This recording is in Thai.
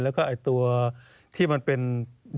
แล้วก็ไอ้ตัวที่มันเป็นที่มันเป็น